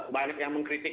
banyak yang mengkritik